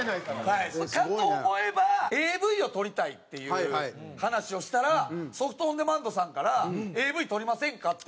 かと思えばＡＶを撮りたいっていう話をしたらソフト・オン・デマンドさんからＡＶ撮りませんか？